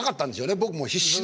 僕も必死で。